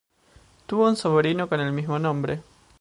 Tuvo un sobrino con el mismo nombre.